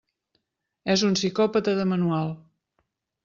És un psicòpata de manual.